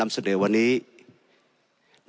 ในฐานะรัฐสภาวนี้ตั้งแต่ปี๒๖๒